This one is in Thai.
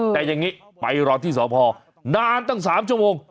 แต่อย่างนี้ไปรอที่สอบภอร์นานตั้งสามชั่วโมง